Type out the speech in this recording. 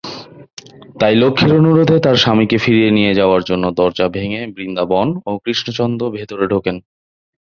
তাই লক্ষ্মীর অনুরোধে তার স্বামীকে ফিরিয়ে নিয়ে যাওয়ার জন্য দরজা ভেঙে বৃন্দাবন ও কৃষ্ণচন্দ্র ভেতরে ঢােকেন।